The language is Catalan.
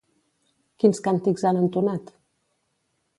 Quins càntics han entonat?